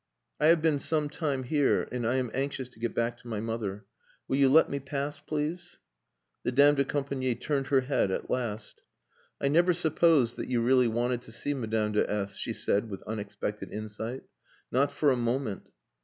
I have been some time here, and I am anxious to get back to my mother. Will you let me pass, please?" The dame de compagnie turned her head at last. "I never supposed that you really wanted to see Madame de S ," she said, with unexpected insight. "Not for a moment."